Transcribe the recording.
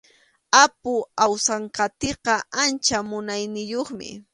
Apu Awsanqatiqa ancha munayniyuqmi.